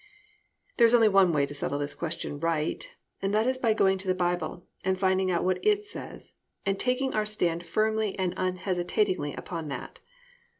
There is only one way to settle this question right, that is by going to the Bible and finding out what it says, and taking our stand firmly and unhesitatingly upon that.